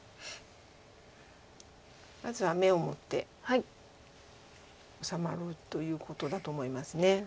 まずは眼を持って治まろうということだと思います。